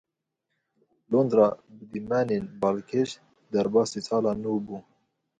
Londra bi dîmenên balkêş derbasi sala nû bû.